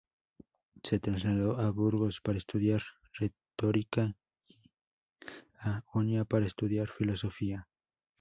Se trasladó a Burgos para estudiar Retórica y a Oña para estudiar Filosofía.